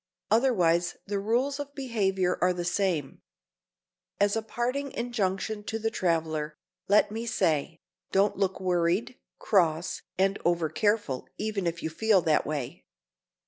Otherwise the rules of behavior are the same. As a parting injunction to the traveler, let me say,—don't look worried, cross and over careful even if you feel that way.